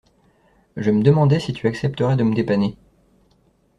Je me demandais si tu accepterais de me dépanner.